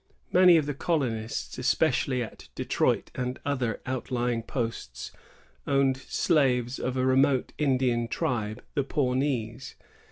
Many of the colonists, especially at Detroit and other outlying posts, owned slaves of a remote Indian tribe, the Pawnees.